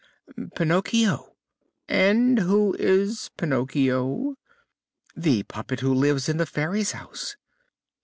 "Pinocchio." "And who is Pinocchio?" "The puppet who lives in the Fairy's house."